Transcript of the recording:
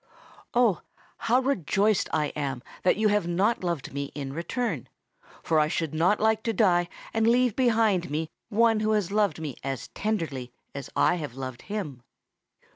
Oh! how rejoiced I am that you have not loved me in return; for I should not like to die and leave behind me one who had loved me as tenderly as I had loved him."